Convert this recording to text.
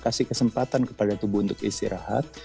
kasih kesempatan kepada tubuh untuk istirahat